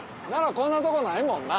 こんなとこないもんな。